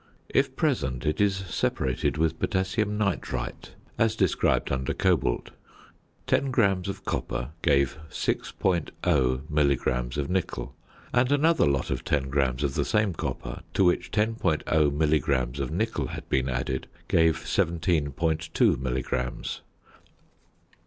If present it is separated with potassium nitrite as described under Cobalt. Ten grams of copper gave 6.0 milligrams of nickel; and another lot of 10 grams of the same copper, to which 10.0 milligrams of nickel had been added, gave 17.2 milligrams.